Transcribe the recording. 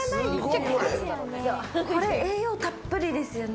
これ、栄養たっぷりですよね。